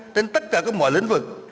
trên tất cả các mọi lĩnh vực